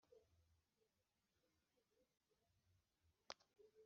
muri yo twavuga nk’amazina bwite, inyuguti it interuro.